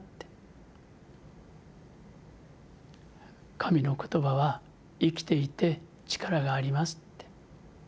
神の言葉は生きていて力があります。